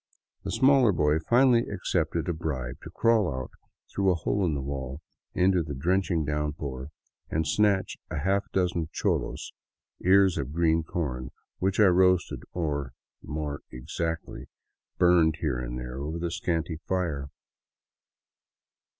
The smaller boy finally accepted a bribe to crawl out through a hole in the wall into the drenching downpour and snatch a half dozen cholos, ears of green corn, which I roasted, or, more exactly, burned here and there over the scanty fire.